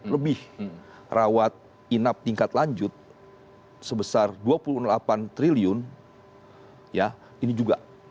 lebih rawat inap tingkat lanjut sebesar rp dua puluh delapan triliun ya ini juga